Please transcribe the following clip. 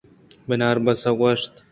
بناربسءَ گوٛشت